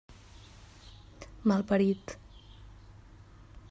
Malparit!